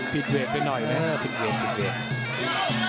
ผิดเวทไปหน่อยใช่ผิดเวทผิดเวท